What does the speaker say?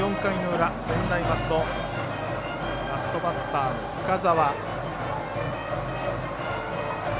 ラストバッターの深沢。